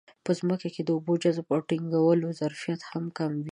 په ځمکه کې د اوبو د جذب او ټینګولو ظرفیت هم کم وي.